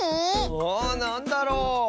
ああなんだろう？